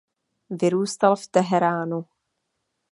Vyrůstal v Teheránu.